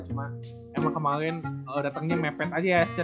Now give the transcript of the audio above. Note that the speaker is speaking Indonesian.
cuma emang kemaren datangnya mepet aja ya eston ya